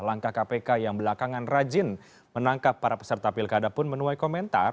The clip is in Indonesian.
langkah kpk yang belakangan rajin menangkap para peserta pilkada pun menuai komentar